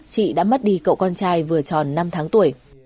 chị đã mất đi cậu con trai vừa tròn năm tháng tuổi